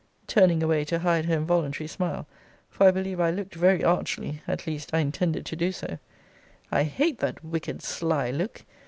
[turning away to hide her involuntary smile, for I believe I looked very archly; at least I intended to do so] I hate that wicked sly look.